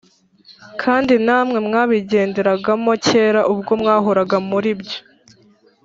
Kandi namwe mwabigenderagamo kera, ubwo mwahoraga muri byo